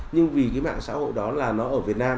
nhưng vì mạng xã hội đó ở việt nam